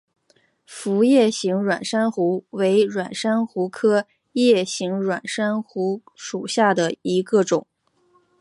辐叶形软珊瑚为软珊瑚科叶形软珊瑚属下的一个种。